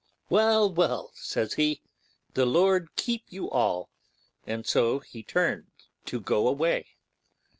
'Well, well,' says he, 'the Lord keep you all'; and so he turned to go away.